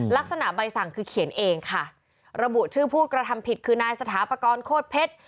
ลักษณะใบสั่งคือเขียนเองค่ะระบุชื่อผู้กระทำผิดคือนายสถาปกรณ์โคตรเพชร